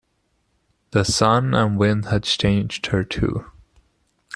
The sun and wind had changed her, too.